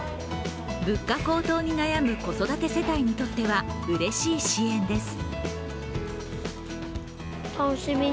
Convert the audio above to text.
物価高騰に悩む子育て世帯にとってはうれしい支援です。